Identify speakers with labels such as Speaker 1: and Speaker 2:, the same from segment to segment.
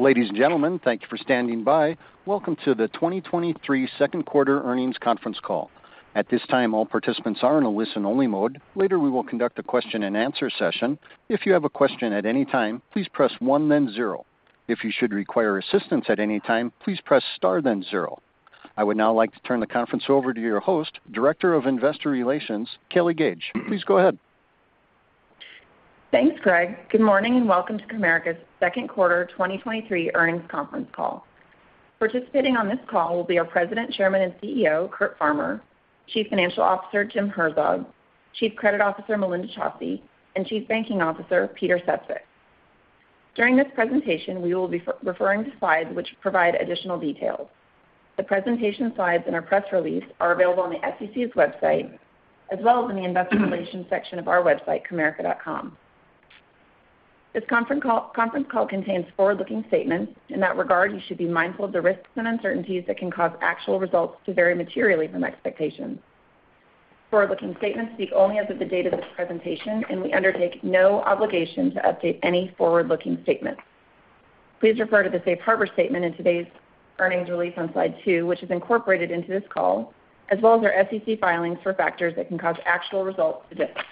Speaker 1: Ladies and gentlemen, thank you for standing by. Welcome to the 2023 Q2 earnings conference call. At this time, all participants are in a listen-only mode. Later, we will conduct a question-and-answer session. If you have a question at any time, please press one, then zero. If you should require assistance at any time, please press star, then zero. I would now like to turn the conference over to your host, Director of Investor Relations, Kelly Gage. Please go ahead.
Speaker 2: Thanks, Greg. Good morning, welcome to Comerica's Q2 2023 earnings conference call. Participating on this call will be our President, Chairman, and CEO, Curt Farmer, Chief Financial Officer, Jim Herzog, Chief Credit Officer, Melinda Chausse, and Chief Banking Officer, Peter Sefzik. During this presentation, we will be referring to slides which provide additional details. The presentation slides and our press release are available on the SEC's website, as well as in the investor relations section of our website, comerica.com. This conference call contains forward-looking statements. In that regard, you should be mindful of the risks and uncertainties that can cause actual results to vary materially from expectations. Forward-looking statements speak only as of the date of this presentation, we undertake no obligation to update any forward-looking statements. Please refer to the safe harbor statement in today's earnings release on slide two, which is incorporated into this call, as well as our SEC filings for factors that can cause actual results to differ.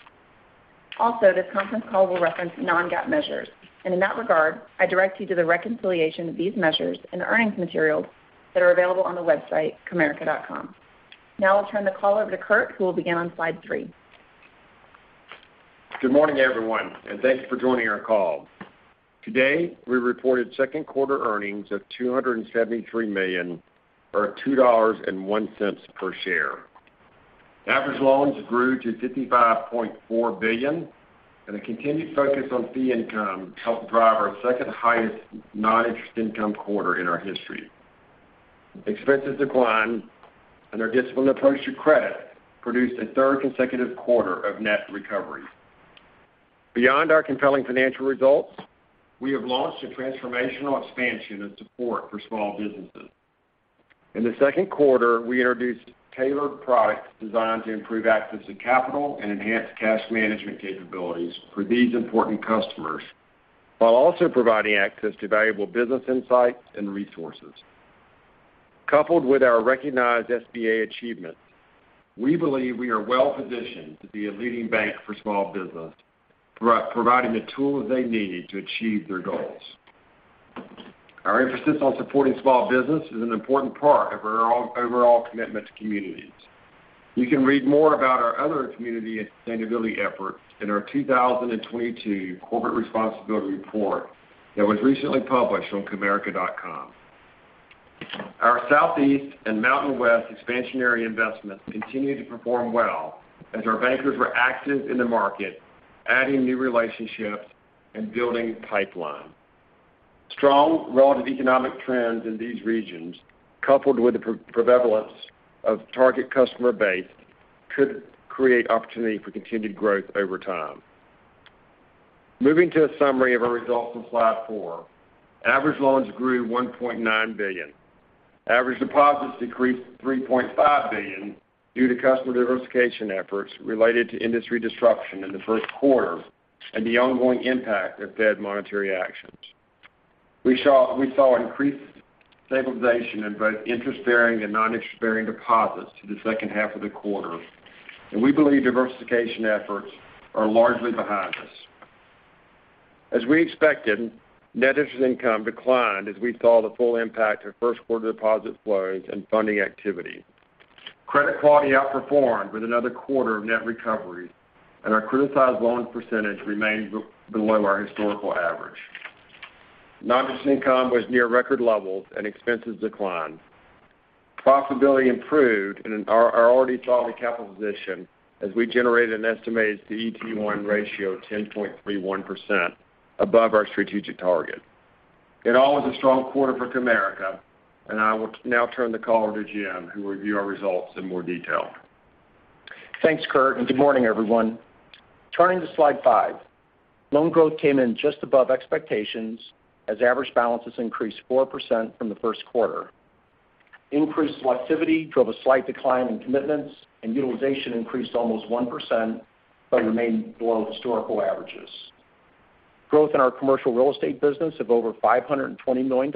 Speaker 2: This conference call will reference non-GAAP measures, and in that regard, I direct you to the reconciliation of these measures in the earnings materials that are available on the website, comerica.com. I'll turn the call over to Curt, who will begin on slide three.
Speaker 3: Good morning, everyone. Thanks for joining our call. Today, we reported Q2 earnings of $273 million, or $2.01 per share. Average loans grew to $55.4 billion. A continued focus on fee income helped drive our second highest non-interest income quarter in our history. Expenses declined. Our disciplined approach to credit produced a third consecutive quarter of net recovery. Beyond our compelling financial results, we have launched a transformational expansion and support for small businesses. In the Q2, we introduced tailored products designed to improve access to capital and enhance cash management capabilities for these important customers, while also providing access to valuable business insights and resources. Coupled with our recognized SBA achievements, we believe we are well-positioned to be a leading bank for small business, providing the tools they need to achieve their goals. Our emphasis on supporting small business is an important part of our overall commitment to communities. You can read more about our other community and sustainability efforts in our 2022 Corporate Responsibility Report that was recently published on comerica.com. Our Southeast and Mountain West expansionary investments continue to perform well as our bankers were active in the market, adding new relationships and building pipeline. Strong relative economic trends in these regions, coupled with the prevalence of our target customer base, could create opportunity for continued growth over time. Moving to a summary of our results on slide four, average loans grew $1.9 billion. Average deposits decreased $3.5 billion due to customer diversification efforts related to industry disruption in the Q1 and the ongoing impact of Fed monetary actions. We saw increased stabilization in both interest-bearing and non-interest-bearing deposits to the second half of the quarter, and we believe diversification efforts are largely behind us. As we expected, net interest income declined as we saw the full impact of Q1deposit flows and funding activity. Credit quality outperformed with another quarter of net recovery, and our criticized loan percentage remained below our historical average. Non-interest income was near record levels and expenses declined. Profitability improved and our already solid capital position, as we generated an estimated CET1 ratio of 10.31% above our strategic target. It was a strong quarter for Comerica. I will now turn the call over to Jim, who will review our results in more detail.
Speaker 4: Thanks, Curt, and good morning, everyone. Turning to slide five. Loan growth came in just above expectations as average balances increased 4% from the Q1. Increased selectivity drove a slight decline in commitments, and utilization increased almost 1%, but remained below historical averages. Growth in our commercial real estate business of over $520 million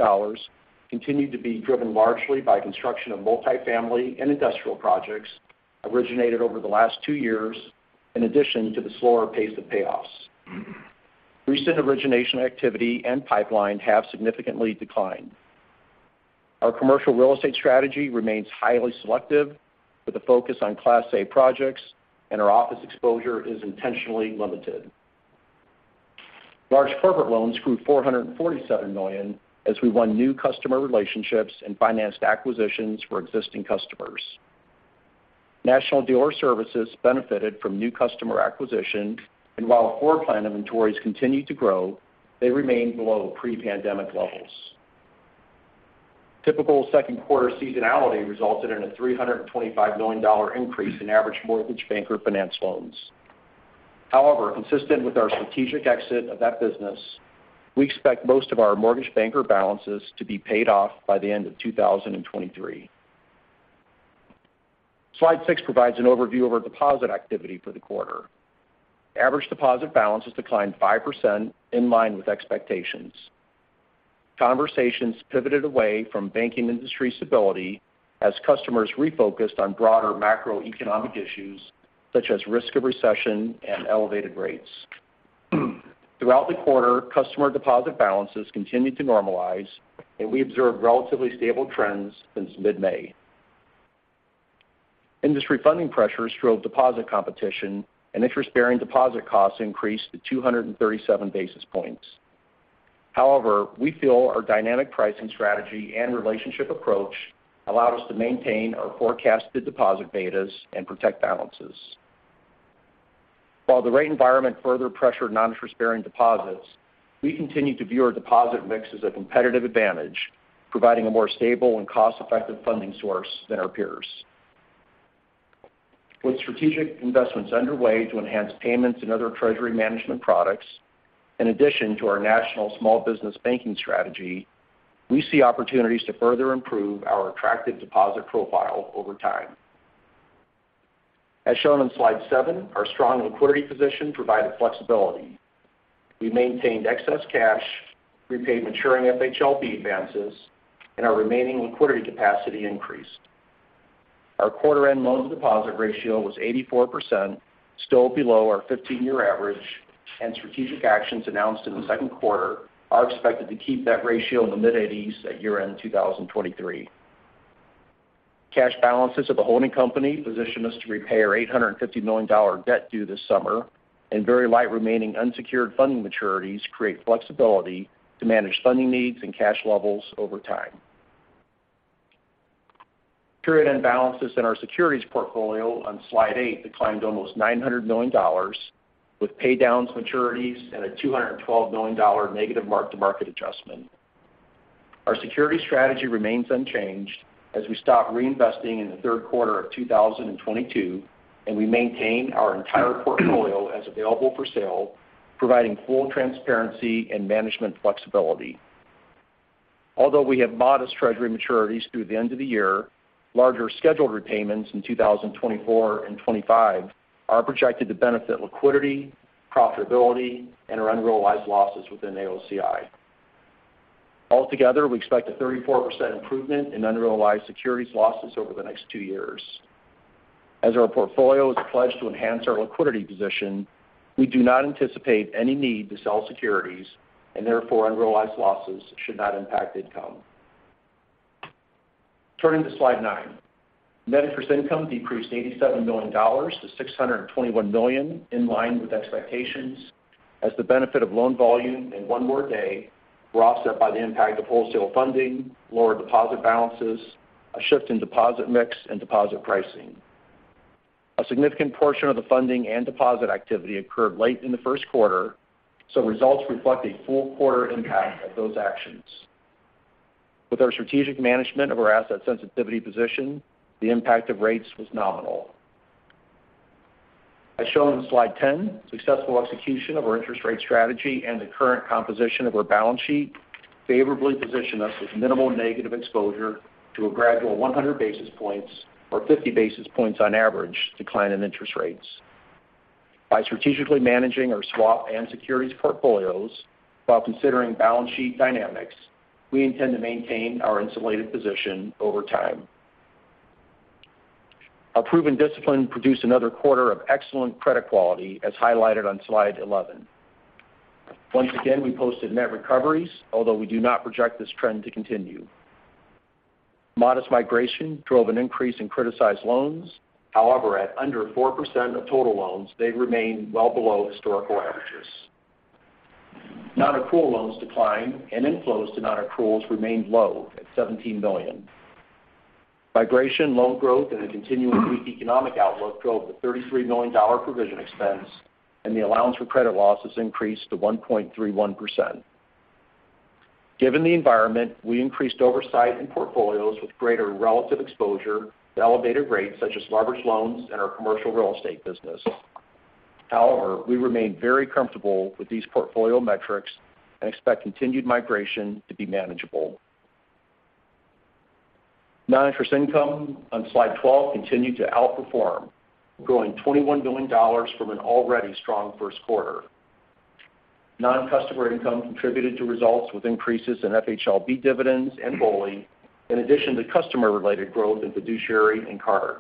Speaker 4: continued to be driven largely by construction of multifamily and industrial projects originated over the last two years, in addition to the slower pace of payoffs. Recent origination activity and pipeline have significantly declined. Our commercial real estate strategy remains highly selective, with a focus on Class A projects, and our office exposure is intentionally limited. Large corporate loans grew $447 million as we won new customer relationships and financed acquisitions for existing customers. National Dealer Services benefited from new customer acquisition, while floor plan inventories continued to grow, they remained below pre-pandemic levels. Typical Q2 seasonality resulted in a $325 million increase in average Mortgage Banker Finance loans. However, consistent with our strategic exit of that business, we expect most of our Mortgage Banker balances to be paid off by the end of 2023. Slide six provides an overview of our deposit activity for the quarter. Average deposit balances declined 5% in line with expectations. Conversations pivoted away from the banking industry stability as customers refocused on broader macroeconomic issues, such as risk of recession and elevated rates. Throughout the quarter, customer deposit balances continued to normalize, we observed relatively stable trends since mid-May. Industry funding pressures drove deposit competition, interest-bearing deposit costs increased to 237 basis points. However, we feel our dynamic pricing strategy and relationship approach allowed us to maintain our forecasted deposit betas and protect balances. While the rate environment further pressured non-interest-bearing deposits, we continue to view our deposit mix as a competitive advantage, providing a more stable and cost-effective funding source than our peers. With strategic investments underway to enhance payments and other treasury management products, in addition to our national small business banking strategy, we see opportunities to further improve our attractive deposit profile over time. As shown on slide seven, our strong liquidity position provided flexibility. We maintained excess cash, repaid maturing FHLB advances, and our remaining liquidity capacity increased. Our quarter-end loan-to-deposit ratio was 84%, still below our 15-year average, and strategic actions announced in the Q2 are expected to keep that ratio in the mid-80s at year-end 2023. Cash balances of the holding company position us to repay our $850 million debt due this summer. Very light remaining unsecured funding maturities create flexibility to manage funding needs and cash levels over time. Period-end balances in our securities portfolio on slide eight declined to almost $900 million, with paydowns, maturities, and a $212 million negative mark-to-market adjustment. Our security strategy remains unchanged as we stopped reinvesting in the Q3 of 2022. We maintain our entire portfolio as available for sale, providing full transparency and management flexibility. Although we have modest treasury maturities through the end of the year, larger scheduled repayments in 2024 and 2025 are projected to benefit liquidity, profitability, and our unrealized losses within AOCI. Altogether, we expect a 34% improvement in unrealized securities losses over the next two years. As our portfolio is pledged to enhance our liquidity position, we do not anticipate any need to sell securities, and therefore unrealized losses should not impact income. Turning to slide nine. Net interest income decreased $87 million to $621 million, in line with expectations, as the benefit of loan volume and one more day were offset by the impact of wholesale funding, lower deposit balances, a shift in deposit mix and deposit pricing. A significant portion of the funding and deposit activity occurred late in the Q1, results reflect a full quarter impact of those actions. With our strategic management of our asset sensitivity position, the impact of rates was nominal. As shown in slide 10, successful execution of our interest rate strategy and the current composition of our balance sheet favorably position us with minimal negative exposure to a gradual 100 basis points or 50 basis points on average decline in interest rates. By strategically managing our swap and securities portfolios while considering balance sheet dynamics, we intend to maintain our insulated position over time. Our proven discipline produced another quarter of excellent credit quality, as highlighted on slide 11. Once again, we posted net recoveries, although we do not project this trend to continue. Modest migration drove an increase in criticized loans. However, at under 4% of total loans, they remain well below historical averages. Nonaccrual loans declined, and inflows to nonaccruals remained low at $17 million. Migration, loan growth, and a continuing weak economic outlook drove the $33 million provision expense, and the allowance for credit losses increased to 1.31%. Given the environment, we increased oversight in portfolios with greater relative exposure to elevated rates, such as leveraged loans and our commercial real estate business. However, we remain very comfortable with these portfolio metrics and expect continued migration to be manageable. Non-interest income on slide 12 continued to outperform, growing $21 billion from an already strong Q1. Non-customer income contributed to results with increases in FHLB dividends and BOLI, in addition to customer-related growth in fiduciary and card.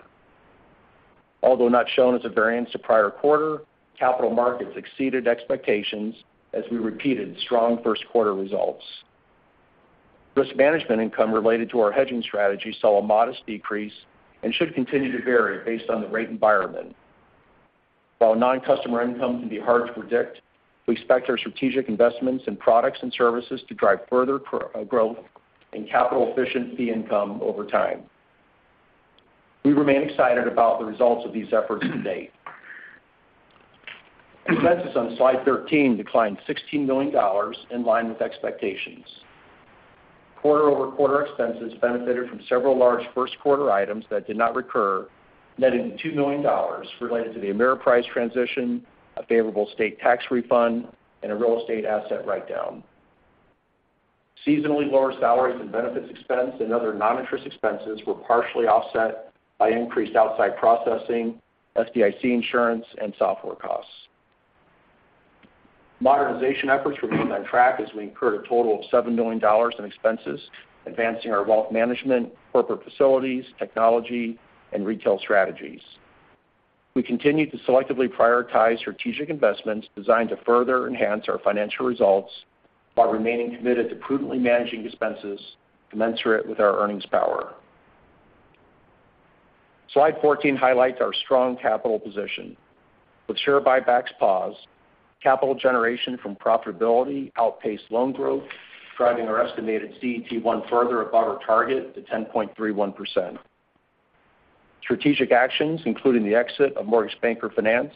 Speaker 4: Although not shown as a variance to prior quarter, capital markets exceeded expectations as we repeated strong Q1 results. Risk management income related to our hedging strategy saw a modest decrease and should continue to vary based on the rate environment. While non-customer income can be hard to predict, we expect our strategic investments in products and services to drive further growth in capital efficient fee income over time. We remain excited about the results of these efforts to date. Expenses on slide 13 declined $16 million in line with expectations. Quarter-over-quarter expenses benefited from several large Q1 items that did not recur, netting $2 million related to the Ameriprise transition, a favorable state tax refund, and a real estate asset write-down. Seasonally lower salaries and benefits expense and other non-interest expenses were partially offset by increased outside processing, FDIC insurance, and software costs. Modernization efforts were put on track as we incurred a total of $7 million in expenses, advancing our wealth management, corporate facilities, technology, and retail strategies. We continued to selectively prioritize strategic investments designed to further enhance our financial results, while remaining committed to prudently managing expenses commensurate with our earnings power. Slide 14 highlights our strong capital position. With share buybacks paused, capital generation from profitability outpaced loan growth, driving our estimated CET1 further above our target to 10.31%. Strategic actions, including the exit of Mortgage Banker Finance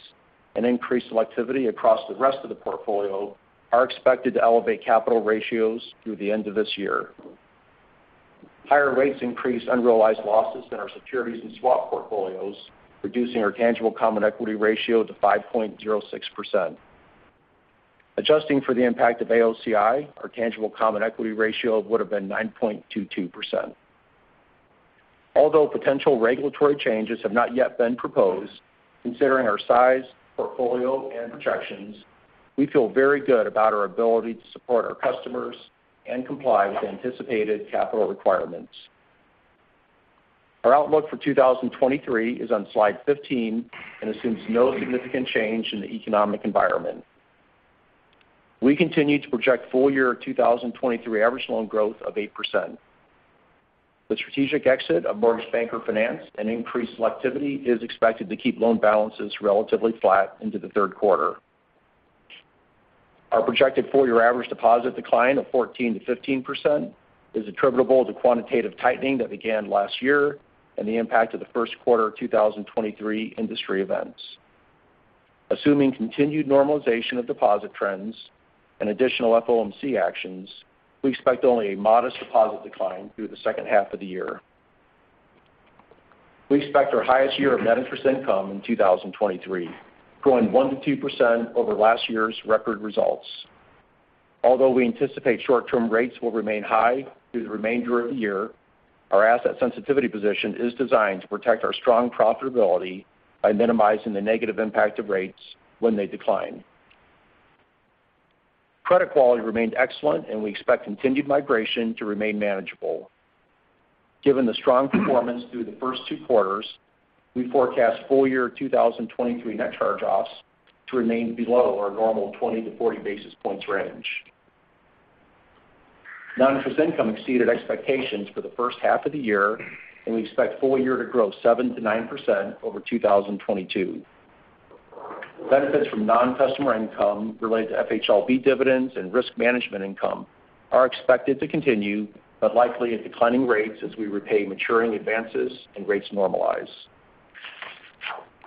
Speaker 4: and increased selectivity across the rest of the portfolio, are expected to elevate capital ratios through the end of this year. Higher rates increased unrealized losses in our securities and swap portfolios, reducing our tangible common equity ratio to 5.06%. Adjusting for the impact of AOCI, our tangible common equity ratio would have been 9.22%. Although potential regulatory changes have not yet been proposed, considering our size, portfolio, and projections, we feel very good about our ability to support our customers and comply with anticipated capital requirements. Our outlook for 2023 is on slide 15 and assumes no significant change in the economic environment. We continue to project full-year 2023 average loan growth of 8%. The strategic exit of Mortgage Banker Finance and increased selectivity is expected to keep loan balances relatively flat into the Q3. Our projected full year average deposit decline of 14%-15% is attributable to quantitative tightening that began last year and the impact of the Q1 of 2023 industry events. Assuming continued normalization of deposit trends and additional FOMC actions, we expect only a modest deposit decline through the second half of the year. We expect our highest year of net interest income in 2023, growing 1%-2% over last year's record results. Although we anticipate short-term rates will remain high through the remainder of the year, our asset sensitivity position is designed to protect our strong profitability by minimizing the negative impact of rates when they decline. Credit quality remained excellent, and we expect continued migration to remain manageable. Given the strong performance through the first two quarters, we forecast full-year 2023 net charge-offs to remain below our normal 20-40 basis points range. Non-interest income exceeded expectations for the first half of the year. We expect full year to grow 7%-9% over 2022. Benefits from non-customer income related to FHLB dividends and risk management income are expected to continue, but are likely at declining rates as we repay maturing advances and rates normalize.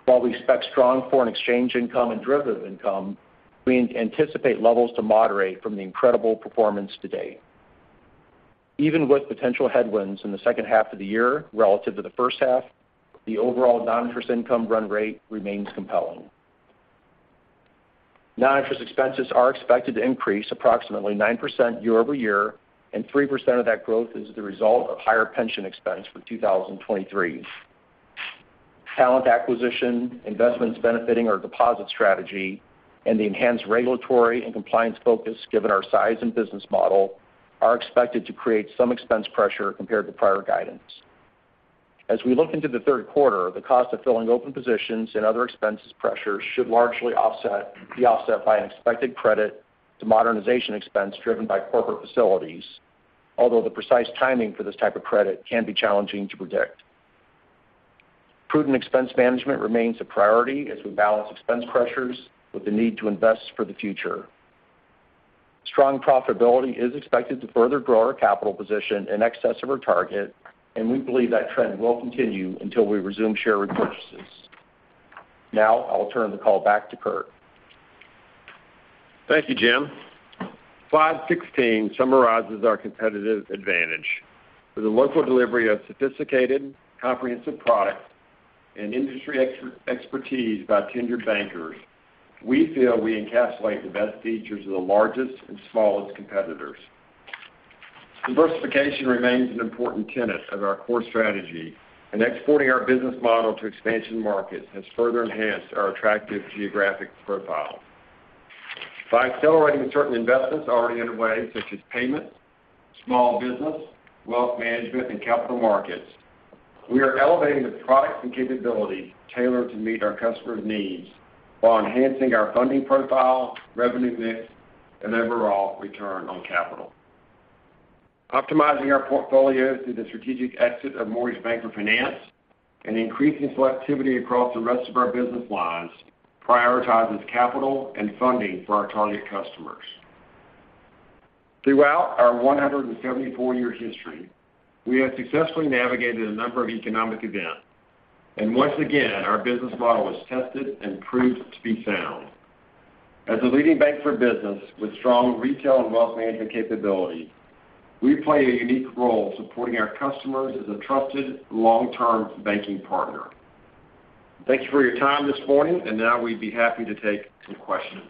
Speaker 4: While we expect strong foreign exchange income and derivative income, we anticipate levels to moderate from the incredible performance to date. Even with potential headwinds in the second half of the year relative to the first half, the overall non-interest income run rate remains compelling. Non-interest expenses are expected to increase approximately 9% year-over-year. 3% of that growth is the result of higher pension expense for 2023. Talent acquisition, investments benefiting our deposit strategy, and the enhanced regulatory and compliance focus, given our size and business model, are expected to create some expense pressure compared to prior guidance. As we look into the Q3, the cost of filling open positions and other expenses pressures should largely be offset by an expected credit to modernization expense driven by corporate facilities, although the precise timing for this type of credit can be challenging to predict. Prudent expense management remains a priority as we balance expense pressures with the need to invest for the future. Strong profitability is expected to further grow our capital position in excess of our target, and we believe that trend will continue until we resume share repurchases. Now I'll turn the call back to Curt.
Speaker 3: Thank you, Jim. Slide 16 summarizes our competitive advantage. With the local delivery of sophisticated, comprehensive products and industry expertise by tenured bankers, we feel we encapsulate the best features of the largest and smallest competitors. Diversification remains an important tenet of our core strategy, and exporting our business model to expansion markets has further enhanced our attractive geographic profile. By accelerating certain investments already underway, such as payments, small business, wealth management, and capital markets, we are elevating the products and capabilities tailored to meet our customers' needs while enhancing our funding profile, revenue mix, and overall return on capital. Optimizing our portfolio through the strategic exit of Mortgage Banker Finance and increasing selectivity across the rest of our business lines prioritizes capital and funding for our target customers. Throughout our 174-year history, we have successfully navigated a number of economic events, and once again, our business model was tested and proved to be sound. As a leading bank for business with strong retail and wealth management capabilities, we play a unique role supporting our customers as a trusted, long-term banking partner. Thank you for your time this morning, and now we'd be happy to take some questions.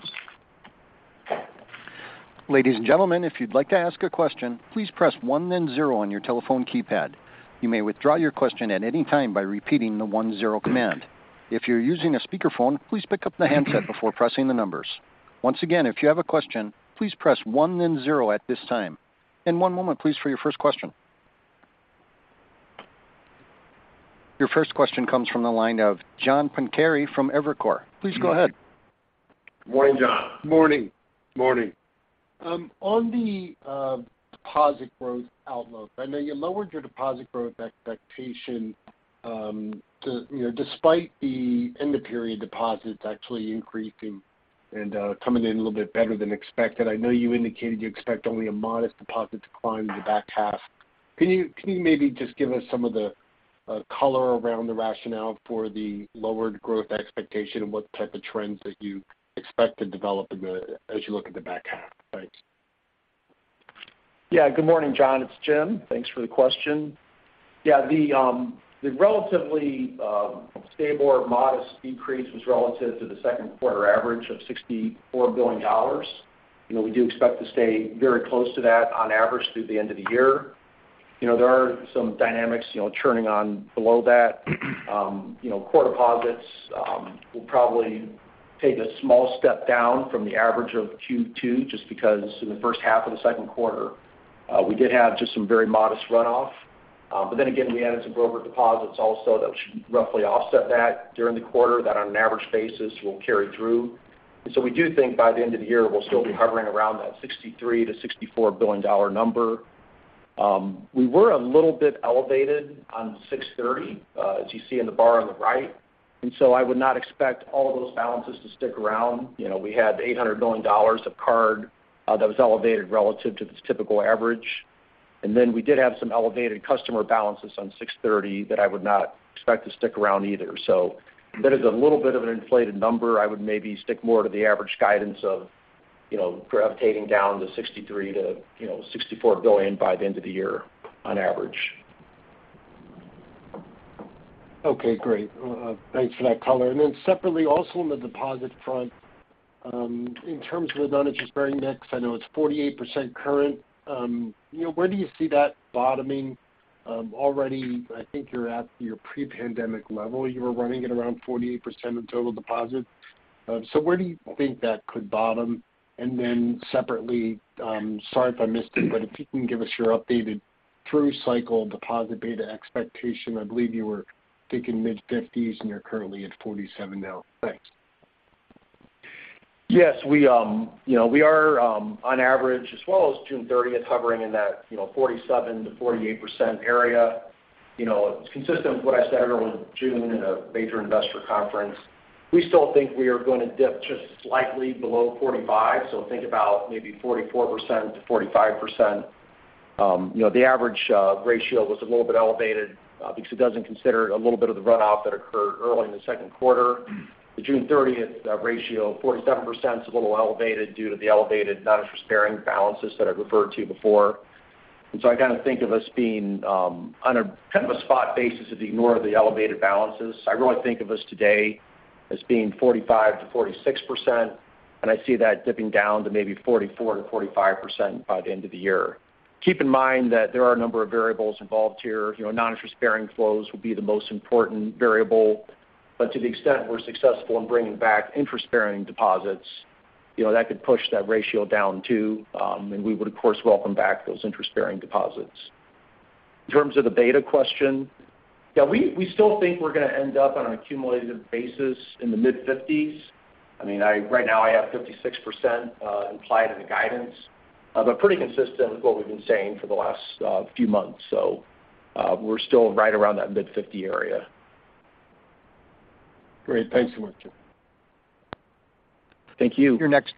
Speaker 1: Ladies and gentlemen, if you'd like to ask a question, please press one then zero on your telephone keypad. You may withdraw your question at any time by repeating the one zero command. If you're using a speakerphone, please pick up the handset before pressing the numbers. Once again, if you have a question, please press one then zero at this time. One moment, please, for your first question. Your first question comes from the line of John Pancari from Evercore. Please go ahead.
Speaker 4: Morning, John.
Speaker 5: Morning.
Speaker 4: Morning.
Speaker 5: On the deposit growth outlook, I know you lowered your deposit growth expectation, you know, despite the end of period deposits actually increasing and coming in a little bit better than expected. I know you indicated you expect only a modest deposit decline in the back half. Can you maybe just give us some of the color around the rationale for the lowered growth expectation and what type of trends that you expect to develop in the, as you look at the back half? Thanks.
Speaker 4: Yeah. Good morning, John. It's Jim. Thanks for the question. Yeah, the relatively stable or modest decrease was relative to the Q2 average of $64 billion. You know, we do expect to stay very close to that on average through the end of the year. You know, there are some dynamics, you know, churning on below that. You know, core deposits will probably take a small step down from the average of Q2, just because in the first half of the Q2, we did have just some very modest runoff. We added some broker deposits also that should roughly offset that during the quarter, that on an average basis will carry through. We do think by the end of the year, we'll still be hovering around that $63 billion-$64 billion number. We were a little bit elevated on 6/30, as you see in the bar on the right. I would not expect all those balances to stick around. We had $800 million of card that was elevated relative to the typical average. We did have some elevated customer balances on 6/30 that I would not expect to stick around either. That is a little bit of an inflated number. I would maybe stick more to the average guidance of gravitating down to $63 billion-$64 billion by the end of the year on average.
Speaker 5: Okay, great. Thanks for that color. Separately, also on the deposit front, in terms of the non-interest bearing mix, I know it's 48% current. You know, where do you see that bottoming? Already, I think you're at your pre-pandemic level. You were running at around 48% of total deposits. Where do you think that could bottom? Separately, sorry if I missed it, but if you can give us your updated through cycle deposit beta expectation. I believe you were thinking mid-50s, and you're currently at 47 now. Thanks.
Speaker 4: Yes, we, you know, we are, on average as well as June 30th, hovering in that, you know, 47%-48% area. You know, it's consistent with what I said earlier in June in a major investor conference. We still think we are going to dip just slightly below 45, so think about maybe 44%-45%. The average ratio was a little bit elevated because it doesn't consider a little bit of the runoff that occurred early in the Q2. The June 30th ratio, 47%, is a little elevated due to the elevated non-interest-bearing balances that I referred to before. I kind of think of us being on a kind of a spot basis, if you ignore the elevated balances. I really think of us today as being 45%-46%. I see that dipping down to maybe 44%-45% by the end of the year. Keep in mind that there are a number of variables involved here. You know, non-interest bearing flows will be the most important variable, but to the extent we're successful in bringing back interest-bearing deposits, you know, that could push that ratio down too. We would, of course, welcome back those interest-bearing deposits. In terms of the beta question, yeah, we still think we're going to end up on an accumulative basis in the mid-50s. I mean, right now, I have 56% implied in the guidance, pretty consistent with what we've been saying for the last few months. We're still right around that mid-50 area.
Speaker 5: Great. Thanks so much, Jim.
Speaker 4: Thank you.
Speaker 1: Your next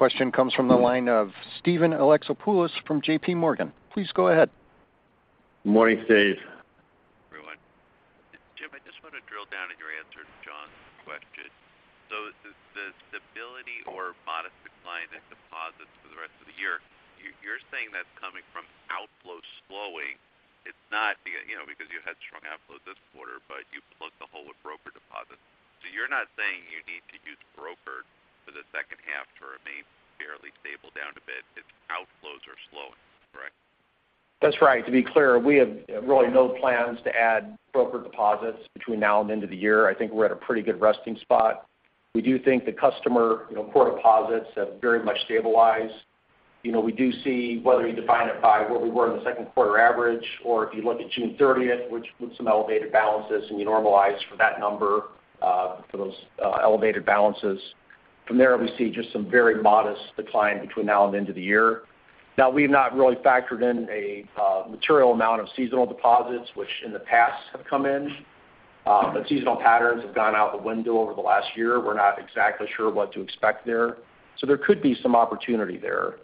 Speaker 1: question comes from the line of Steven Alexopoulos from JPMorgan. Please go ahead.
Speaker 4: Morning, Steve.
Speaker 6: Everyone. Jim, I just want to drill down on your answer to John's question. The stability or modest decline in deposits for the rest of the year, you're saying that's coming from outflows slowing. It's not, you know, because you had strong outflows this quarter, but you plugged the hole with broker deposits. You're not saying you need to use broker for the second half to remain fairly stable down a bit, it's outflows are slowing, correct?
Speaker 4: That's right. To be clear, we have really no plans to add broker deposits between now and the end of the year. I think we're at a pretty good resting spot. We do think the customer, you know, core deposits have very much stabilized. You know, we do see whether you define it by where we were in the Q2 average, or if you look at June 30th, which put some elevated balances, and you normalize for that number, for those elevated balances. From there, we see just some very modest decline between now and the end of the year. We've not really factored in a material amount of seasonal deposits, which in the past have come in. Seasonal patterns have gone out the window over the last year. We're not exactly sure what to expect there, so there could be some opportunity there.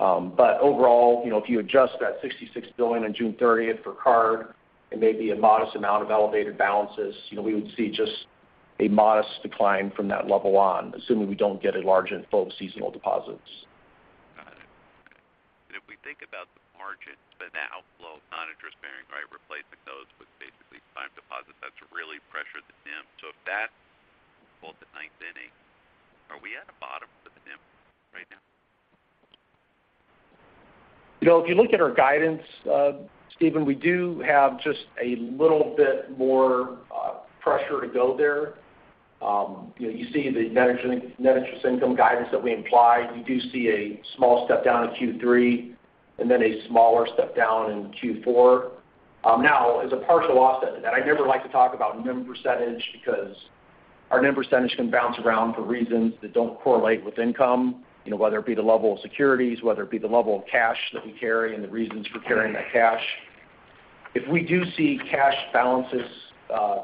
Speaker 4: Overall, you know, if you adjust that $66 billion on June 30th for card, it may be a modest amount of elevated balances. You know, we would see just a modest decline from that level on, assuming we don't get a large inflow of seasonal deposits.
Speaker 6: Outflow, non-interest bearing, right? Replacing those with basically time deposits. That's really pressured the NIM. If that holds the ninth inning, are we at a bottom for the NIM right now?
Speaker 4: You know, if you look at our guidance, Steven, we do have just a little bit more pressure to go there. You know, you see the net interest income guidance that we implied. You do see a small step down in Q3, and then a smaller step down in Q4. Now, as a partial offset to that, I never like to talk about NIM percentage because our NIM percentage can bounce around for reasons that don't correlate with income, you know, whether it be the level of securities, whether it be the level of cash that we carry and the reasons for carrying that cash. If we do see cash balances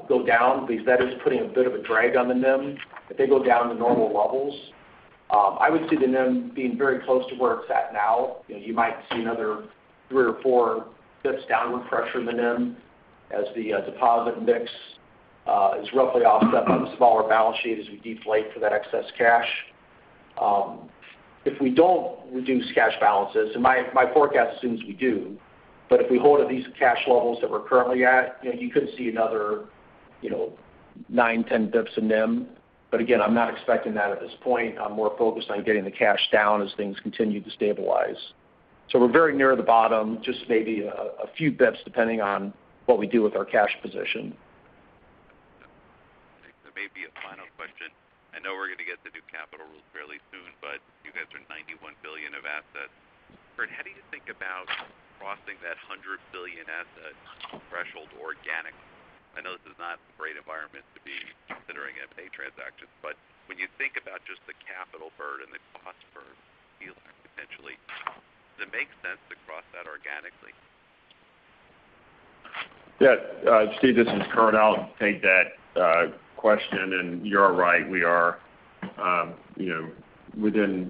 Speaker 4: go down because that is putting a bit of a drag on the NIM, if they go down to normal levels, I would see the NIM being very close to where it's at now. You know, you might see another 3 or 4 bps downward pressure in the NIM as the deposit mix is roughly offset by the smaller balance sheet as we deflate for that excess cash. If we don't reduce cash balances, and my forecast assumes we do, but if we hold at these cash levels that we're currently at, you know, you could see another, you know, 9, 10 bps in NIM. Again, I'm not expecting that at this point. I'm more focused on getting the cash down as things continue to stabilize. We're very near the bottom, just maybe a few bps, depending on what we do with our cash position.
Speaker 6: There may be a final question. I know we're going to get the new capital rules fairly soon, but you guys are $91 billion of assets. Curt, how do you think about crossing that $100 billion assets threshold organically? I know this is not a great environment to be considering M&A transactions, but when you think about just the capital burden and the cost burden, potentially, does it make sense to cross that organically?
Speaker 3: Yeah, Steve, this is Curt. I'll take that question. you're right, we are, you know, within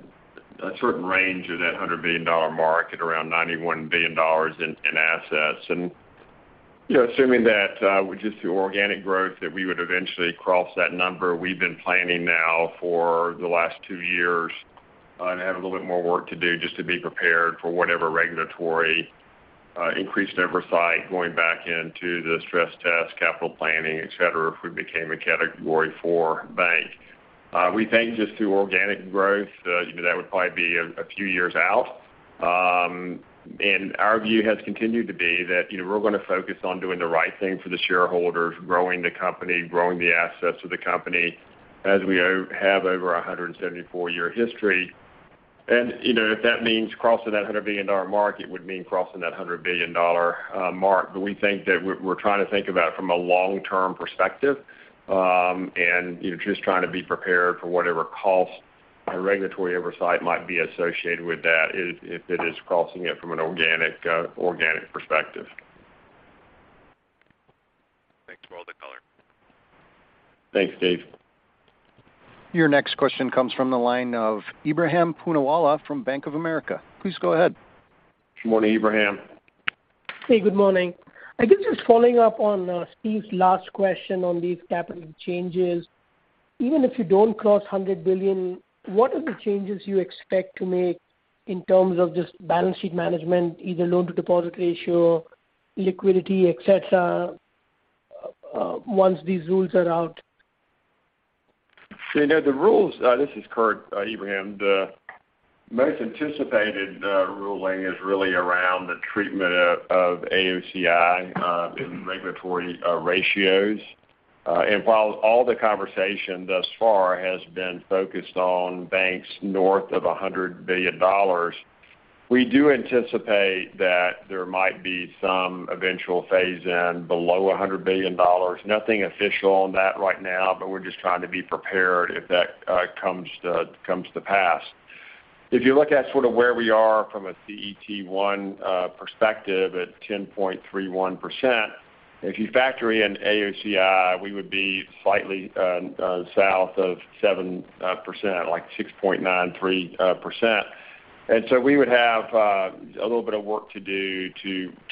Speaker 3: a certain range of that $100 billion mark at around $91 billion in assets. you know, assuming that just through organic growth, that we would eventually cross that number, we've been planning now for the last two years, and have a little bit more work to do just to be prepared for whatever regulatory increased oversight, going back into the stress test, capital planning, et cetera, if we became a Category IV bank. we think just through organic growth, you know, that would probably be a few years out. Our view has continued to be that, you know, we're going to focus on doing the right thing for the shareholders, growing the company, growing the assets of the company as we have over a 174-year history. If that means crossing that $100 billion mark, it would mean crossing that $100 billion mark. We think that we're trying to think about it from a long-term perspective, and, you know, just trying to be prepared for whatever costs or regulatory oversight might be associated with that, if it is crossing it from an organic perspective.
Speaker 6: Thanks for all the color.
Speaker 3: Thanks, Steve.
Speaker 1: Your next question comes from the line of Ebrahim Poonawala from Bank of America. Please go ahead.
Speaker 3: Good morning, Ebrahim.
Speaker 7: Hey, good morning. I guess just following up on Steve's last question on these capital changes. Even if you don't cross $100 billion, what are the changes you expect to make in terms of just balance sheet management, either loan-to-deposit ratio, liquidity, et cetera, once these rules are out?
Speaker 3: You know, the rules, this is Curt, Ebrahim. The most anticipated ruling is really around the treatment of AOCI in regulatory ratios. While all the conversation thus far has been focused on banks north of $100 billion, we do anticipate that there might be some eventual phase-in below $100 billion. Nothing official on that right now, we're just trying to be prepared if that comes to pass. If you look at sort of where we are from a CET1 perspective at 10.31%, if you factor in AOCI, we would be slightly south of 7%, like 6.93%. We would have a little bit of work to do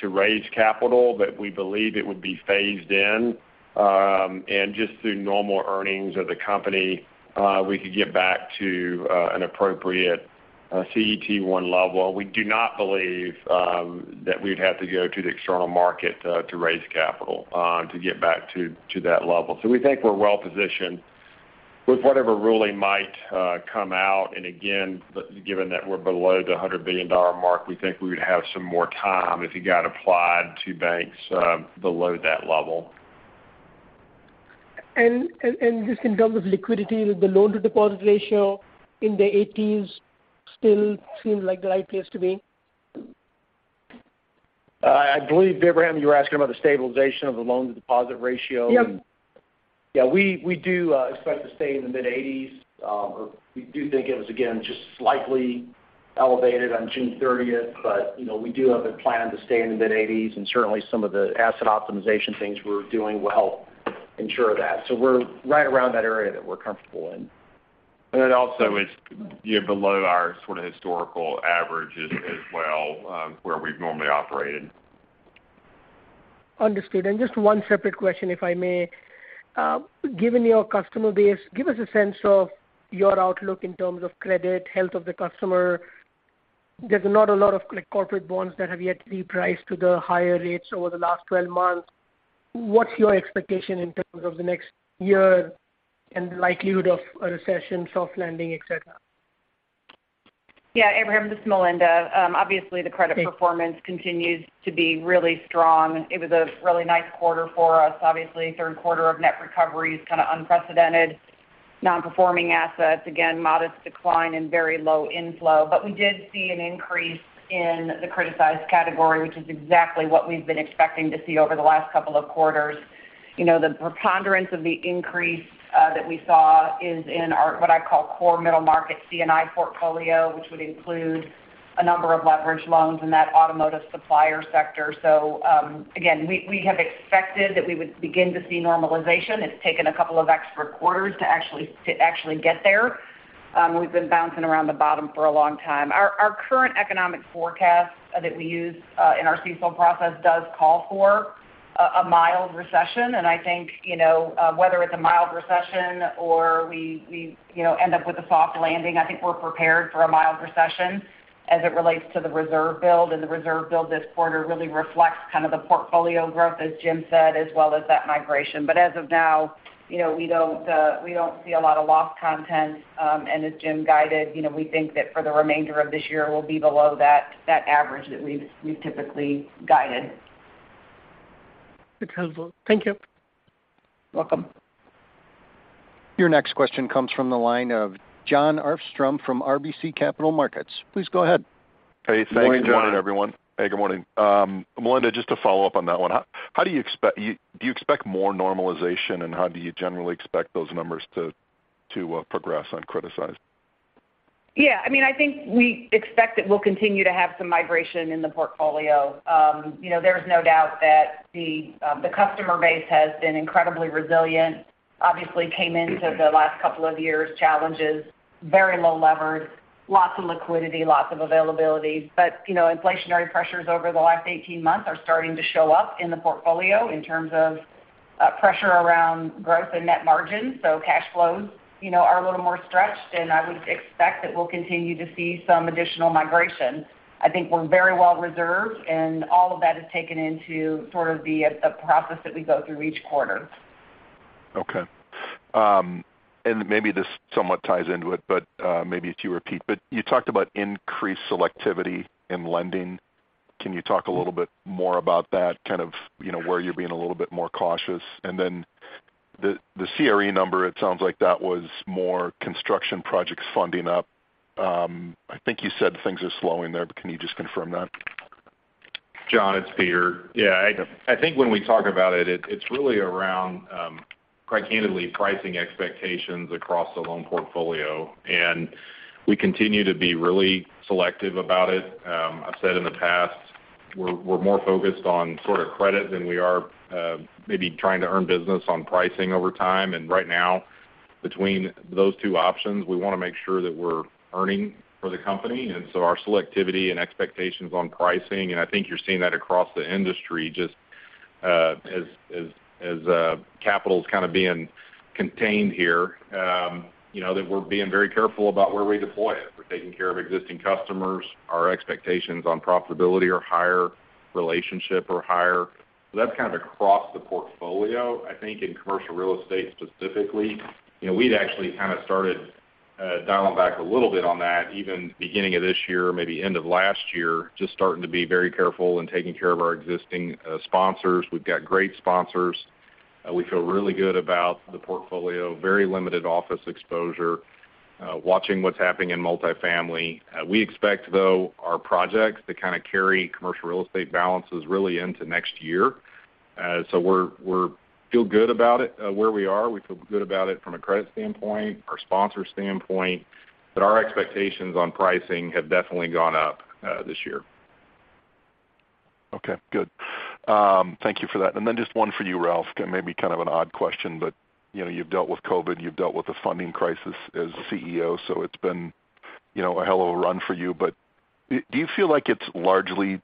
Speaker 3: to raise capital, but we believe it would be phased in. Just through normal earnings of the company, we could get back to an appropriate CET1 level. We do not believe that we'd have to go to the external market to raise capital to get back to that level. We think we're well positioned with whatever ruling might come out. Again, given that we're below the $100 billion mark, we think we would have some more time if it got applied to banks below that level.
Speaker 7: Just in terms of liquidity, with the loan-to-deposit ratio in the 80s still seems like the likeliest to be?
Speaker 4: I believe, Ebrahim, you were asking about the stabilization of the loan-to-deposit ratio.
Speaker 7: Yep.
Speaker 4: Yeah, we do expect to stay in the mid-80s. We do think it was, again, just slightly elevated on June 30th. You know, we do have a plan to stay in the mid-80s, and certainly some of the asset optimization things we're doing will help ensure that. We're right around that area that we're comfortable in.
Speaker 3: Also, it's, you know, below our sort of historical averages as well, where we've normally operated.
Speaker 7: Understood. Just one separate question, if I may. Given your customer base, give us a sense of your outlook in terms of credit, health of the customer. There's not a lot of, like, corporate bonds that have yet to be priced to the higher rates over the last 12 months. What's your expectation in terms of the next year and the likelihood of a recession, soft landing, et cetera?
Speaker 8: Ebrahim, this is Melinda Chausse. Obviously, the credit performance continues to be really strong. It was a really nice quarter for us. Obviously, Q3 of net recovery is kind of unprecedented. Non-performing assets, again, modest decline and very low inflow, we did see an increase in the criticized category, which is exactly what we've been expecting to see over the last couple of quarters. You know, the preponderance of the increase that we saw is in our, what I call, core middle market CNI portfolio, which would include a number of leveraged loans in that automotive supplier sector. Again, we have expected that we would begin to see normalization. It's taken a couple of extra quarters to actually get there. We've been bouncing around the bottom for a long time. Our current economic forecast that we use in our CECL process does call for a mild recession, and I think, you know, whether it's a mild recession or we, you know, end up with a soft landing, I think we're prepared for a mild recession as it relates to the reserve build. The reserve build this quarter really reflects kind of the portfolio growth, as Jim said, as well as that migration. As of now, you know, we don't, we don't see a lot of lost content. As Jim guided, you know, we think that for the remainder of this year, we'll be below that average that we've typically guided.
Speaker 7: Okay. Thank you.
Speaker 8: Welcome.
Speaker 1: Your next question comes from the line of Jon Arfstrom from RBC Capital Markets. Please go ahead.
Speaker 9: Hey, good morning, everyone.
Speaker 3: Hey, Jon.
Speaker 9: Hey, good morning. Melinda, just to follow up on that one, do you expect more normalization, and how do you generally expect those numbers to progress on criticized?
Speaker 8: Yeah, I mean, I think we expect that we'll continue to have some migration in the portfolio. You know, there's no doubt that the customer base has been incredibly resilient. Obviously, came into the last couple of years, challenges, very low levered, lots of liquidity, lots of availability. You know, inflationary pressures over the last 18 months are starting to show up in the portfolio in terms of pressure around growth and net margin. Cash flows, you know, are a little more stretched, and I would expect that we'll continue to see some additional migration. I think we're very well reserved, and all of that is taken into sort of the process that we go through each quarter.
Speaker 9: Okay. Maybe this somewhat ties into it, but maybe if you repeat. You talked about increased selectivity in lending. Can you talk a little bit more about that, kind of, you know, where you're being a little bit more cautious? Then the CRE number, it sounds like that was more construction projects funding up. I think you said things are slowing there, but can you just confirm that?
Speaker 10: Jon, it's Peter. I think when we talk about it's really around, quite candidly, pricing expectations across the loan portfolio. We continue to be really selective about it. I've said in the past, we're more focused on sort of credit than we are, maybe trying to earn business on pricing over time. Right now, between those two options, we want to make sure that we're earning for the company. So our selectivity and expectations on pricing, and I think you're seeing that across the industry, just as capital is kind of being contained here. You know, that we're being very careful about where we deploy it. We're taking care of existing customers. Our expectations on profitability are higher, relationship are higher. That's kind of across the portfolio. I think in commercial real estate specifically, you know, we'd actually kind of started, dialing back a little bit on that, even beginning of this year, maybe end of last year, just starting to be very careful and taking care of our existing sponsors. We've got great sponsors. We feel really good about the portfolio, very limited office exposure, watching what's happening in multifamily. We expect, though, our projects to kind of carry commercial real estate balances really into next year. So we're feel good about it, where we are. We feel good about it from a credit standpoint, our sponsor standpoint, but our expectations on pricing have definitely gone up this year.
Speaker 9: Okay, good. Thank you for that. Just one for you, Ralph. It may be kind of an odd question, you know, you've dealt with COVID, you've dealt with the funding crisis as CEO, so it's been, you know, a hell of a run for you. Do you feel like it's largely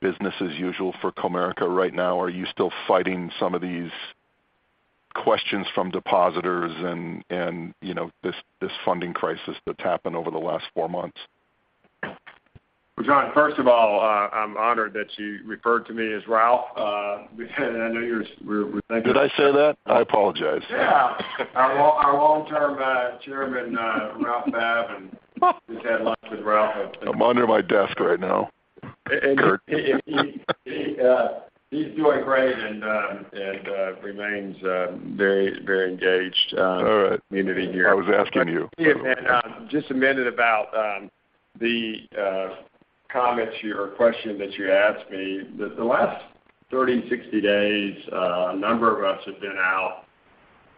Speaker 9: business as usual for Comerica right now? Are you still fighting some of these questions from depositors and, you know, this funding crisis that's happened over the last four months?
Speaker 3: Well, Jon, first of all, I'm honored that you referred to me as Ralph, because I know we're thinking.
Speaker 9: Did I say that? I apologize.
Speaker 3: Yeah. Our long-term chairman, Ralph Babb, just had lunch with Ralph.
Speaker 9: I'm under my desk right now.
Speaker 3: He's doing great and remains very engaged.
Speaker 9: All right.
Speaker 3: in the community here.
Speaker 9: I was asking you.
Speaker 3: Just a minute about the comments or question that you asked me. The last 30, 60 days, a number of us have been out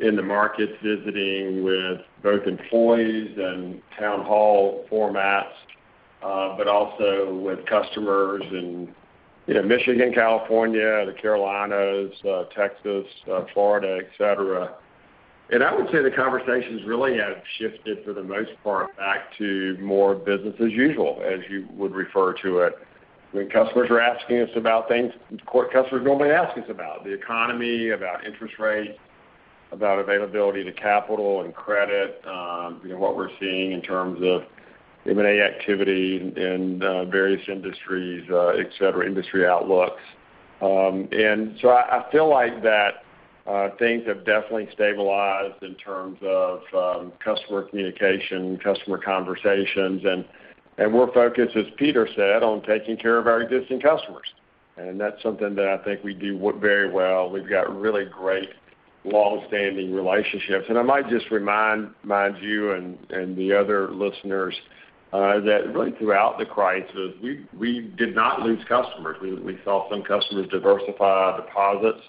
Speaker 3: in the markets visiting with both employees and town hall formats, but also with customers in, you know, Michigan, California, the Carolinas, Texas, Florida, et cetera. I would say the conversations really have shifted, for the most part, back to more business as usual, as you would refer to it. When customers are asking us about things, what customers normally ask us about: the economy, about interest rates, about availability to capital and credit, you know, what we're seeing in terms of M&A activity in various industries, et cetera, industry outlooks. I feel like that, things have definitely stabilized in terms of, customer communication, customer conversations, and we're focused, as Peter said, on taking care of our existing customers. That's something that I think we do very well. We've got really great long-standing relationships. I might just remind you and the other listeners, that really throughout the crisis, we did not lose customers. We saw some customers diversify deposits,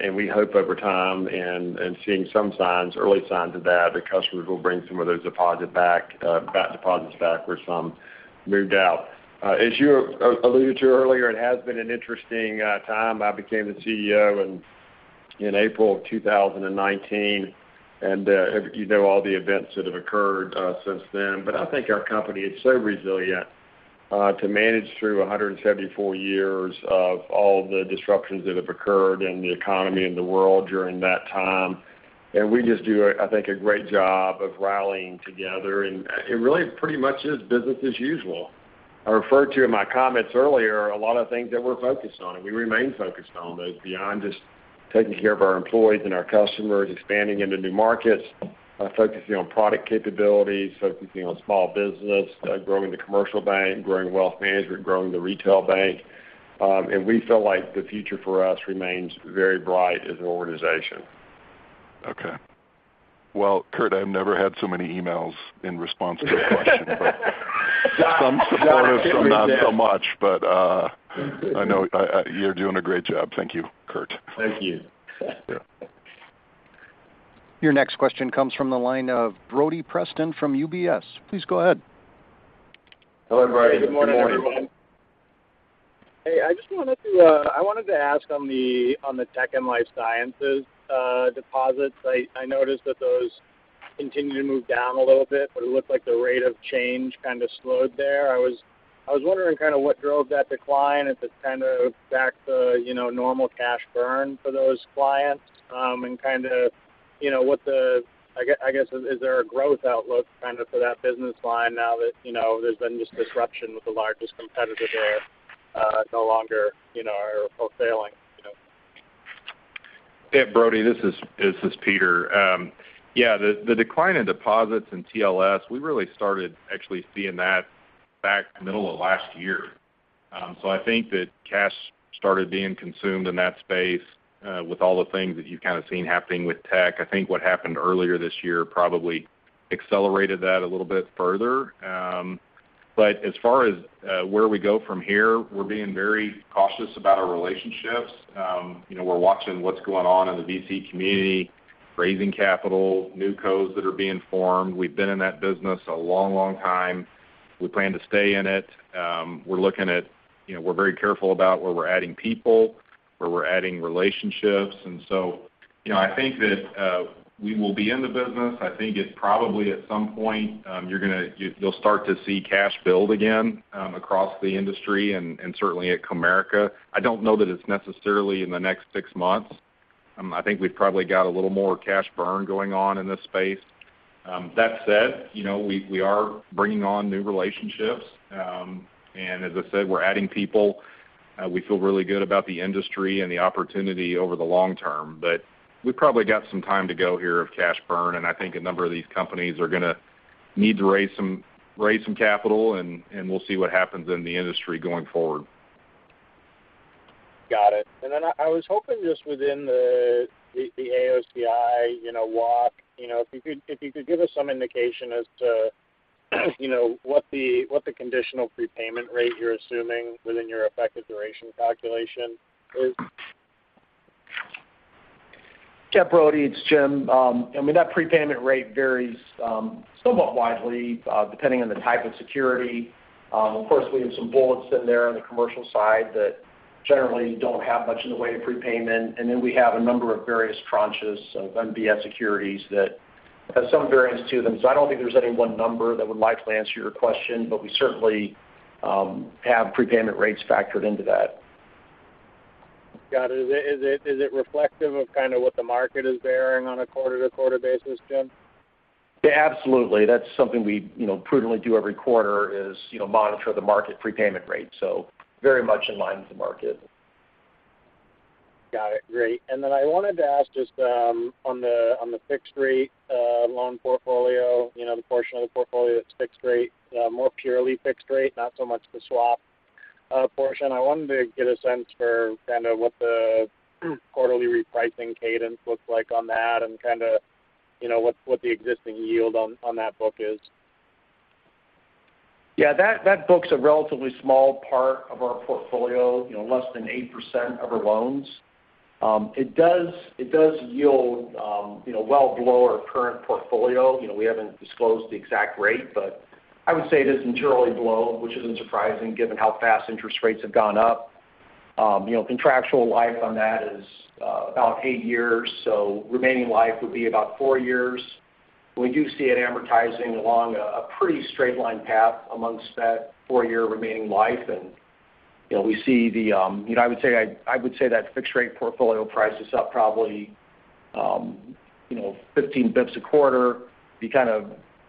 Speaker 3: and we hope over time and seeing some signs, early signs of that, the customers will bring some of those back deposits back, where some moved out. As you alluded to earlier, it has been an interesting time. I became the CEO in April of 2019. You know, all the events that have occurred since then. I think our company is so resilient to manage through 174 years of all the disruptions that have occurred in the economy and the world during that time. We just do, I think, a great job of rallying together. It really pretty much is business as usual. I referred to in my comments earlier, a lot of things that we're focused on, and we remain focused on those beyond just taking care of our employees and our customers, expanding into new markets, focusing on product capabilities, focusing on small business, growing the commercial bank, growing wealth management, growing the retail bank. We feel like the future for us remains very bright as an organization.
Speaker 9: Well, Curt, I've never had so many emails in response to a question, some supportive, some not so much. I know, you're doing a great job. Thank you, Curt.
Speaker 3: Thank you.
Speaker 9: Yeah.
Speaker 1: Your next question comes from the line of Brody Preston from UBS. Please go ahead.
Speaker 3: Hello, Brody. Good morning.
Speaker 11: Good morning, everyone. Hey, I just wanted to ask on the tech and life sciences deposits. I noticed that those continued to move down a little bit, but it looked like the rate of change kind of slowed there. I was wondering kind of what drove that decline. Is it kind of back to, you know, normal cash burn for those clients? Kind of, you know, I guess, is there a growth outlook kind of for that business line now that, you know, there's been this disruption with the largest competitor there, no longer, you know, are wholesaling, you know?
Speaker 10: Yeah, Brody, this is Peter. Yeah, the decline in deposits in TLS, we really started actually seeing that back middle of last year. I think that cash started being consumed in that space, with all the things that you've kind of seen happening with tech. I think what happened earlier this year probably accelerated that a little bit further. As far as where we go from here, we're being very cautious about our relationships. You know, we're watching what's going on in the VC community, raising capital, newcos that are being formed. We've been in that business a long, long time. We plan to stay in it. We're looking at, you know, we're very careful about where we're adding people, where we're adding relationships. You know, I think that we will be in the business. I think it's probably at some point, you're going to, you'll start to see cash build again, across the industry and certainly at Comerica. I don't know that it's necessarily in the next six months. I think we've probably got a little more cash burn going on in this space. That said, you know, we are bringing on new relationships. As I said, we're adding people. We feel really good about the industry and the opportunity over the long term. We've probably got some time to go here of cash burn, and I think a number of these companies are going to need to raise some capital, and we'll see what happens in the industry going forward.
Speaker 11: Got it. Then I was hoping just within the AOCI, you know, walk, if you could give us some indication as to, you know, what the conditional prepayment rate you're assuming within your effective duration calculation is?
Speaker 4: Yeah, Brody, it's Jim. I mean, that prepayment rate varies somewhat widely, depending on the type of security. Of course, we have some bullets in there on the commercial side that generally don't have much in the way of prepayment. We have a number of various tranches of MBS securities that have some variance to them. I don't think there's any one number that would likely answer your question, but we certainly have prepayment rates factored into that.
Speaker 11: Got it. Is it reflective of kind of what the market is bearing on a quarter-to-quarter basis, Jim?
Speaker 4: Yeah, absolutely. That's something we, you know, prudently do every quarter is, you know, monitor the market prepayment rate, so very much in line with the market.
Speaker 11: Got it. Great. Then I wanted to ask just on the fixed rate loan portfolio, you know, the portion of the portfolio that's fixed rate, more purely fixed rate, not so much the swap portion. I wanted to get a sense for kind of what the quarterly repricing cadence looks like on that and kind of, you know, what the existing yield on that book is.
Speaker 4: That book's a relatively small part of our portfolio, you know, less than 8% of our loans. It does yield, you know, well below our current portfolio. You know, we haven't disclosed the exact rate, but I would say it is materially below, which isn't surprising given how fast interest rates have gone up. You know, contractual life on that is about eight years, so remaining life would be about four years. We do see it amortizing along a pretty straight line path amongst that four-year remaining life. You know, we see the, you know, I would say that fixed rate portfolio price is up probably, you know, 15 basis points a quarter. If you kind of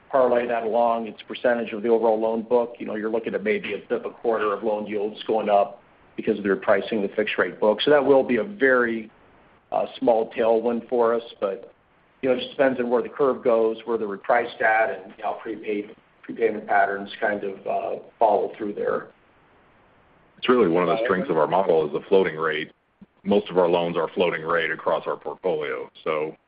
Speaker 4: parlay that along, its percentage of the overall loan book, you know, you're looking at maybe a basis point a quarter of loan yields going up because of their pricing the fixed rate book. That will be a very small tailwind for us. You know, it just depends on where the curve goes, where they're repriced at, and how prepayment patterns kind of follow through there.
Speaker 3: It's really one of the strengths of our model is the floating rate. Most of our loans are floating rate across our portfolio.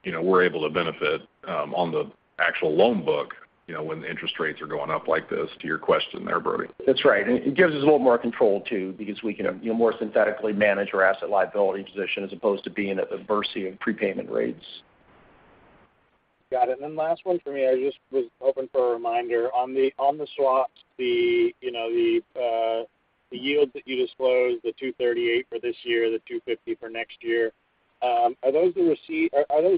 Speaker 3: You know, we're able to benefit, on the actual loan book, you know, when the interest rates are going up like this, to your question there, Brody.
Speaker 4: That's right. It gives us a little more control, too, because we can, you know, more synthetically manage our asset liability position, as opposed to being at the mercy of prepayment rates.
Speaker 11: Got it. Then last one for me. I just was hoping for a reminder. On the swaps, the, you know, the yields that you disclosed, the 2.38% for this year, the 2.50% for next year, are those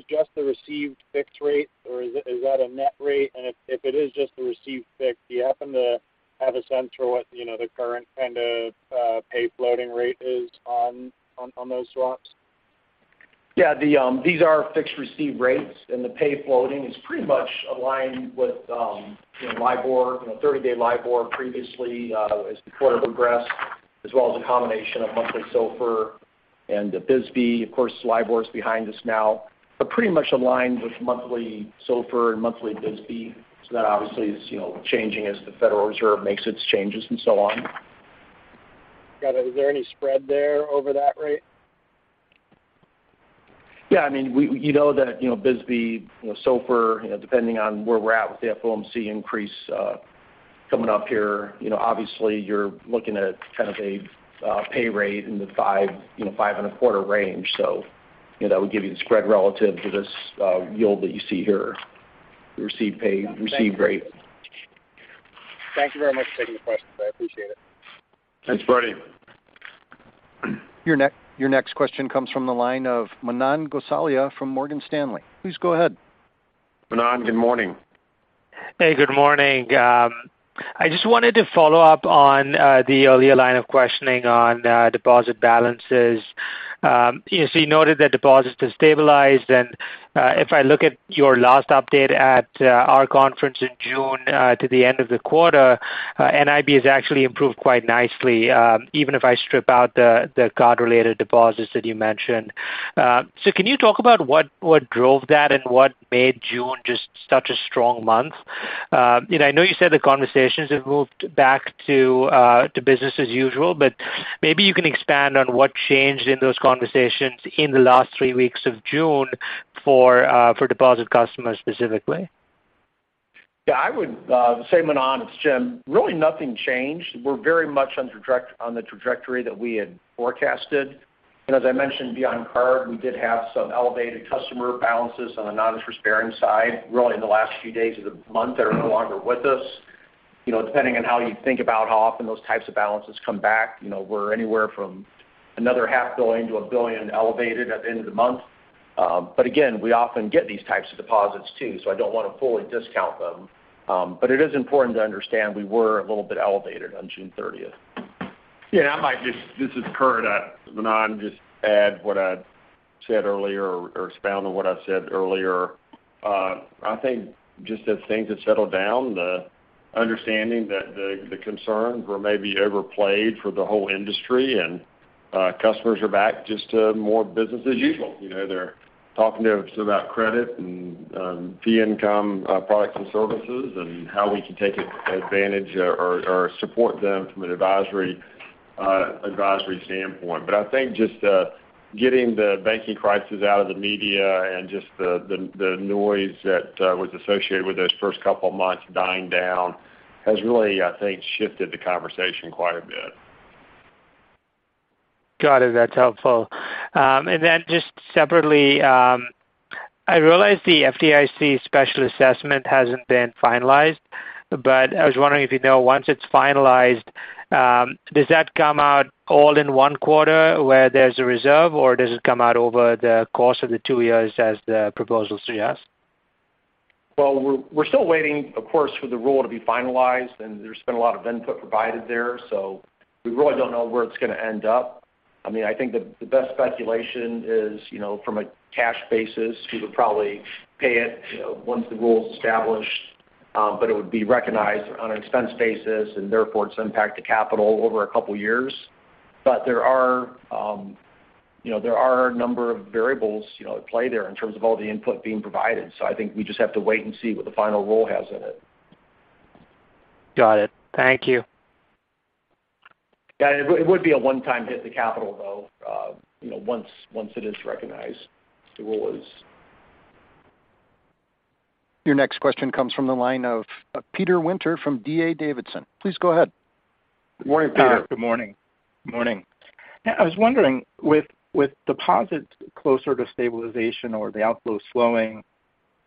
Speaker 11: just the received fixed rate, or is that a net rate? If, if it is just the received fixed, do you happen to have a sense for what, you know, the current kind of pay floating rate is on those swaps?
Speaker 4: Yeah, the, these are fixed received rates, the pay floating is pretty much aligned with, you know, LIBOR, you know, 30-day LIBOR previously, as before it progressed, as well as a combination of monthly SOFR and the BSBY. LIBOR is behind us now, but pretty much aligned with monthly SOFR and monthly BSBY. That obviously is, you know, changing as the Federal Reserve makes its changes and so on.
Speaker 11: Got it. Is there any spread there over that rate?
Speaker 4: Yeah, I mean, we, you know that, you know, BSBY, you know, SOFR, you know, depending on where we're at with the FOMC increase, coming up here, you know, obviously you're looking at kind of a, pay rate in the five, you know, five and a quarter range. You know, that would give you the spread relative to this, yield that you see here, the received pay, received rate.
Speaker 11: Thank you very much for taking the questions. I appreciate it.
Speaker 3: Thanks, Brody.
Speaker 1: Your next question comes from the line of Manan Gosalia from Morgan Stanley. Please go ahead.
Speaker 3: Manan, good morning.
Speaker 12: Hey, good morning. I just wanted to follow up on the earlier line of questioning on deposit balances. You noted that deposits have stabilized, and if I look at your last update at our conference in June, to the end of the quarter, NIB has actually improved quite nicely, even if I strip out the card-related deposits that you mentioned. Can you talk about what drove that and what made June just such a strong month? You know, I know you said the conversations have moved back to business as usual, but maybe you can expand on what changed in those conversations in the last three weeks of June for deposit customers specifically.
Speaker 4: Yeah, I would say, Manan, it's Jim. Really, nothing changed. We're very much on the trajectory that we had forecasted. As I mentioned, beyond card, we did have some elevated customer balances on the non-interest bearing side, really in the last few days of the month, that are no longer with us. You know, depending on how you think about how often those types of balances come back, you know, we're anywhere from another $0.5 billion-$1 billion elevated at the end of the month. Again, we often get these types of deposits too, so I don't want to fully discount them. It is important to understand we were a little bit elevated on June thirtieth.
Speaker 3: Yeah, I might just. This is Curt. Manan, just add what I said earlier or expound on what I said earlier. I think just as things have settled down, the understanding that the concerns were maybe overplayed for the whole industry and customers are back just to more business as usual. You know, they're talking to us about credit and fee income products and services, and how we can take advantage or support them from an advisory standpoint. I think just getting the banking crisis out of the media and just the noise that was associated with those first couple of months dying down has really, I think, shifted the conversation quite a bit.
Speaker 12: Got it. That's helpful. Then just separately, I realize the FDIC special assessment hasn't been finalized, but I was wondering if you know, once it's finalized, does that come out all in one quarter where there's a reserve, or does it come out over the course of the two years as the proposal suggests?
Speaker 4: Well, we're still waiting, of course, for the rule to be finalized. There's been a lot of input provided there, so we really don't know where it's going to end up. I mean, I think the best speculation is, you know, from a cash basis, we would probably pay it, you know, once the rule is established. It would be recognized on an expense basis, and therefore, its impact to capital over a couple of years. There are, you know, a number of variables, you know, at play there in terms of all the input being provided. I think we just have to wait and see what the final rule has in it.
Speaker 12: Got it. Thank you.
Speaker 4: Yeah, it would be a one-time hit to capital, though, you know, once it is recognized, the rule is.
Speaker 1: Your next question comes from the line of Peter Winter from D.A. Davidson. Please go ahead.
Speaker 3: Good morning, Peter.
Speaker 13: Good morning. Good morning. I was wondering, with deposits closer to stabilization or the outflow slowing,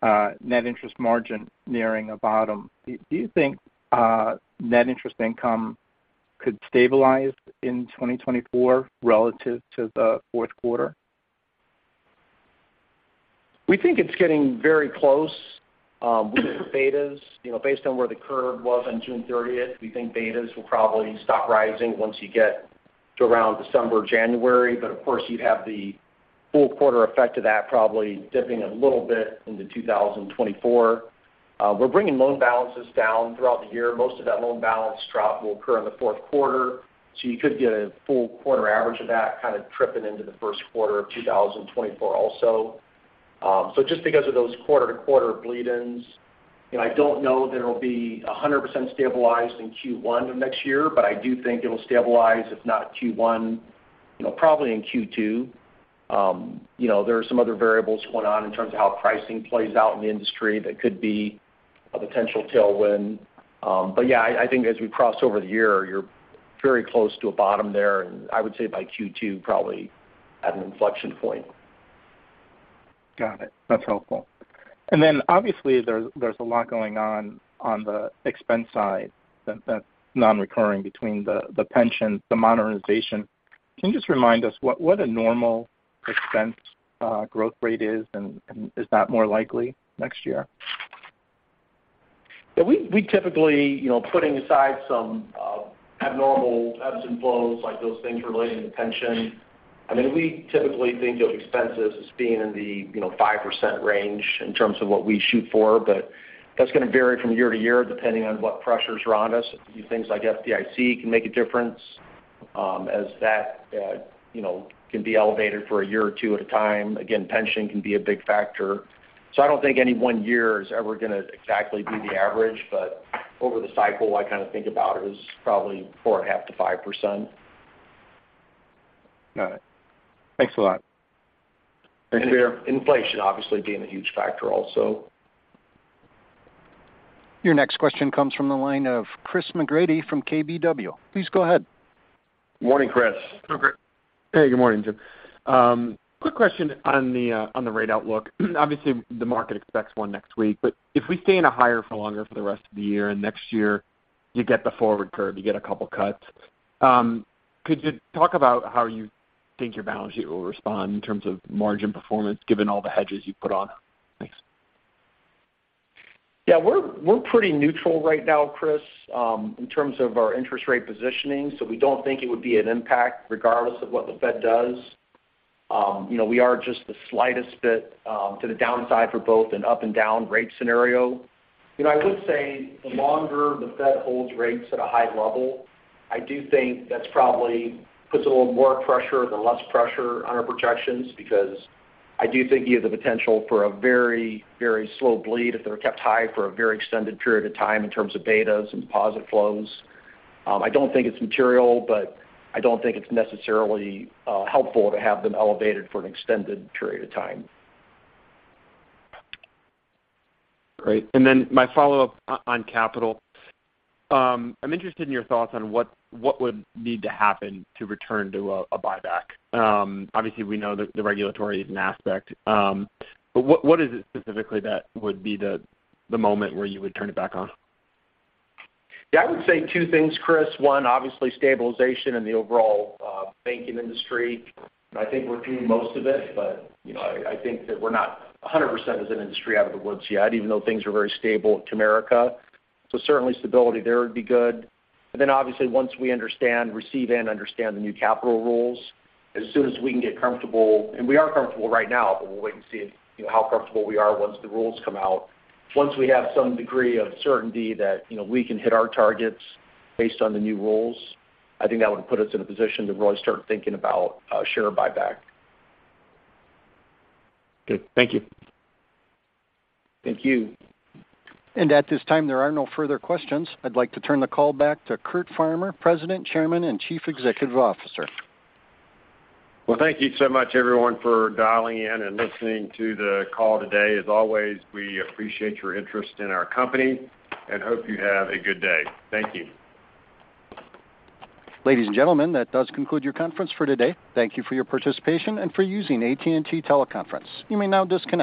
Speaker 13: net interest margin nearing a bottom, do you think net interest income could stabilize in 2024 relative to the Q4?
Speaker 4: We think it's getting very close, with the betas. You know, based on where the curve was on June 30th, we think betas will probably stop rising once you get to around December, January. Of course, you'd have the full quarter effect of that, probably dipping a little bit into 2024. We're bringing loan balances down throughout the year. Most of that loan balance drop will occur in the Q4, so you could get a full quarter average of that, kind of, tripping into the Q1 of 2024 also. Just because of those quarter-to-quarter bleed-ins, I don't know that it'll be 100% stabilized in Q1 of next year, but I do think it'll stabilize, if not Q1, you know, probably in Q2. You know, there are some other variables going on in terms of how pricing plays out in the industry. That could be a potential tailwind. Yeah, I think as we cross over the year, you're very close to a bottom there, and I would say by Q2, probably at an inflection point.
Speaker 13: Got it. That's helpful. Then, obviously, there's a lot going on on the expense side that's non-recurring between the pension, the modernization. Can you just remind us what a normal expense growth rate is, and is that more likely next year?
Speaker 4: We typically, you know, putting aside some abnormal ebbs and flows, like those things relating to pension, I mean, we typically think of expenses as being in the, you know, 5% range in terms of what we shoot for. That's gonna vary from year to year, depending on what pressures are on us. Things like FDIC can make a difference, as that, you know, can be elevated for a year or two at a time. Again, pension can be a big factor. I don't think any one year is ever gonna exactly be the average, but over the cycle, I kind of think about it as probably 4.5%-5%.
Speaker 13: Got it. Thanks a lot.
Speaker 4: Thank you. Inflation obviously being a huge factor also.
Speaker 1: Your next question comes from the line of Chris McGratty from KBW. Please go ahead.
Speaker 3: Morning, Chris.
Speaker 4: Hi, Chris.
Speaker 14: Hey, good morning, Jim. Quick question on the rate outlook. Obviously, the market expects one next week. If we stay in a higher for longer for the rest of the year, next year you get the forward curve, you get a couple cuts, could you talk about how you think your balance sheet will respond in terms of margin performance, given all the hedges you've put on? Thanks.
Speaker 4: Yeah, we're pretty neutral right now, Chris, in terms of our interest rate positioning. We don't think it would be an impact regardless of what the Fed does. You know, we are just the slightest bit to the downside for both an up and down rate scenario. You know, I would say the longer the Fed holds rates at a high level, I do think that's probably puts a little more pressure or less pressure on our projections, because I do think you have the potential for a very, very slow bleed if they're kept high for a very extended period of time in terms of betas and deposit flows. I don't think it's material, I don't think it's necessarily helpful to have them elevated for an extended period of time.
Speaker 14: Great. My follow-up on capital. I'm interested in your thoughts on what would need to happen to return to a buyback? Obviously, we know that the regulatory is an aspect. What is it specifically that would be the moment where you would turn it back on?
Speaker 4: Yeah, I would say two things, Chris. One, obviously, stabilization in the overall banking industry. I think we're doing most of it, but, you know, I think that we're not 100% as an industry out of the woods yet, even though things are very stable at Comerica. Certainly stability there would be good. Obviously, once we understand, receive and understand the new capital rules, as soon as we can get comfortable, and we are comfortable right now, but we'll wait and see, you know, how comfortable we are once the rules come out. Once we have some degree of certainty that, you know, we can hit our targets based on the new rules, I think that would put us in a position to really start thinking about share buyback.
Speaker 14: Good. Thank you.
Speaker 4: Thank you.
Speaker 1: At this time, there are no further questions. I'd like to turn the call back to Curt Farmer, President, Chairman, and Chief Executive Officer.
Speaker 3: Well, thank you so much, everyone, for dialing in and listening to the call today. As always, we appreciate your interest in our company and hope you have a good day. Thank you.
Speaker 1: Ladies and gentlemen, that does conclude your conference for today. Thank you for your participation and for using AT&T Teleconference. You may now disconnect.